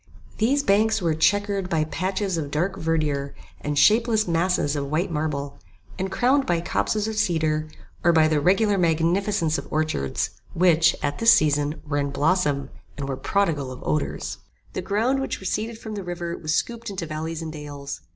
These banks were chequered by patches of dark verdure and shapeless masses of white marble, and crowned by copses of cedar, or by the regular magnificence of orchards, which, at this season, were in blossom, and were prodigal of odours. The ground which receded from the river was scooped into valleys and dales.